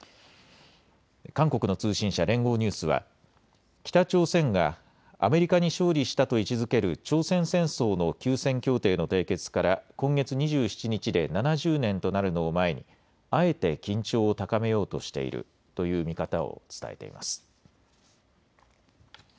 韓国の通信社、連合ニュースは北朝鮮がアメリカに勝利したと位置づける朝鮮戦争の休戦協定の締結から今月２７日で７０年となるのを前にあえて緊張を高めようとしているという見方を伝えています。